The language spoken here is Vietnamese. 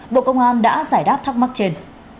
bộ công an đã giải đáp thắc mắc trên